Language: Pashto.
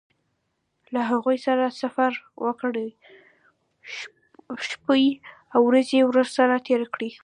له هغوی سره سفر وکړه شپې او ورځې ورسره تېرې کړه.